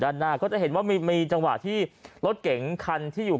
ด้านหน้าก็จะเห็นว่ามีจังหวะที่รถเก๋งคันที่อยู่